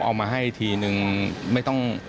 เอามาให้ทีนึงไม่ต้อง